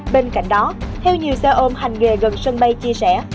bên cạnh đó theo nhiều xe ôm hành nghề gần sân bay chia sẻ